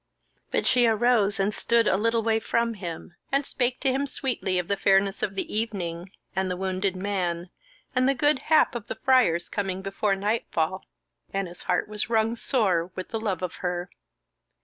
But she arose and stood a little way from him, and spake to him sweetly of the fairness of the evening, and the wounded man, and the good hap of the friar's coming before nightfall; and his heart was wrung sore with the love of her.